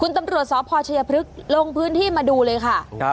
คุณตำรวจสอบพ่อชัยพฤษลงพื้นที่มาดูเลยค่ะครับ